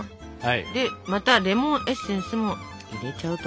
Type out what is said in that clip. でまたレモンエッセンスも入れちゃうと。